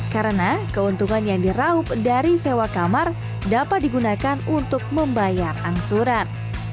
karena keuntungan yang diraup dari sewa kamar dapat digunakan untuk membayar angsuran